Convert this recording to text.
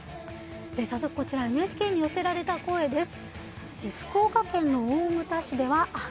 早速こちらＮＨＫに寄せられた声です。